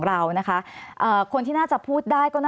สวัสดีครับทุกคน